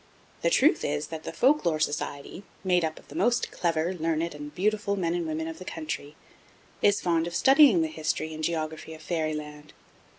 The truth is that the Folk Lore Society made up of the most clever, learned, and beautiful men and women of the country is fond of studying the history and geography of Fairy Land.